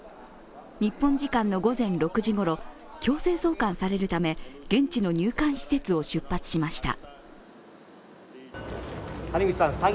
日本時間の午前６時頃、強制送還されるため現地の入管施設を出発しました。